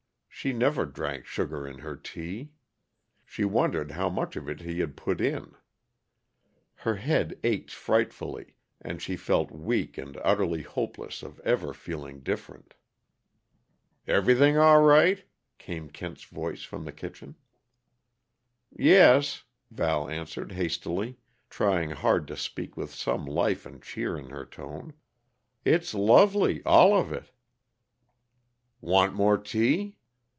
She never drank sugar in her tea. She wondered how much of it he had put in. Her head ached frightfully, and she felt weak and utterly hopeless of ever feeling different. "Everything all right?" came Kent's voice from the kitchen. "Yes," Val answered hastily, trying hard to speak with some life and cheer in her tone. "It's lovely all of it." "Want more tea?"